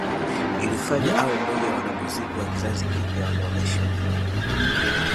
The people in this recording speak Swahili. Ilimfanya awe mmoja wa wanamuziki wa kizazi kipya wanaoheshimika